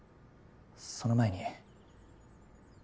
その前に。